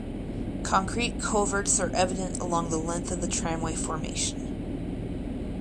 Concrete culverts are evident along the length of the tramway formation.